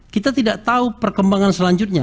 kita tidak tahu perkembangan selanjutnya